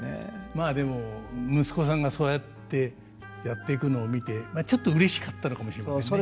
まあでも息子さんがそうやってやっていくのを見てちょっとうれしかったのかもしれませんね。